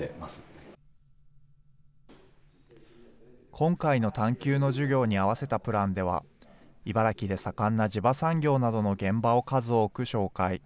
今回の探究の授業に合わせたプランでは、茨城で盛んな地場産業などの現場を数多く紹介。